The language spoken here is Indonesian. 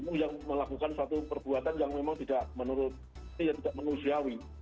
jadi saya juga melakukan satu perbuatan yang memang tidak menurut saya tidak mengusiawi